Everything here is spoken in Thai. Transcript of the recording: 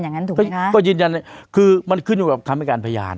งั้นถูกไหมคะก็ยืนยันคือมันขึ้นอยู่กับคำให้การพยาน